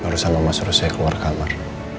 barusan mama suruh saya keluar kamar